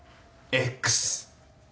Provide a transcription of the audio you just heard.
Ｘ。